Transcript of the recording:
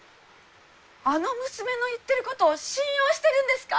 あの娘の言ってることを信用してるんですか？